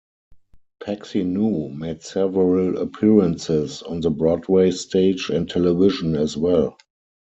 Paxinou made several appearances on the Broadway stage and television as well.